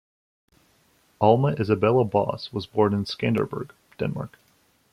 Alma Isabella Bosse was born in Skanderborg, Denmark.